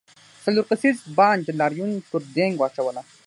څلور کسیز بانډ لاریون پر دینګ واچوله.